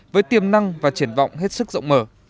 với tiềm năng và triển vọng hết sức rộng mở